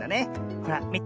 ほらみて。